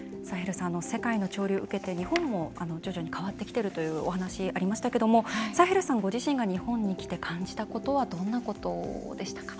世界の潮流を受けて日本も徐々に変わってきてるというお話ありましたけどもサヘルさんご自身が日本に来て感じたことはどんなことでしたか。